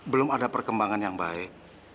belum ada perkembangan yang baik